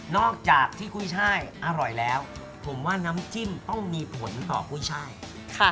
อกจากที่กุ้ยช่ายอร่อยแล้วผมว่าน้ำจิ้มต้องมีผลต่อกุ้ยช่ายค่ะ